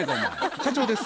社長です。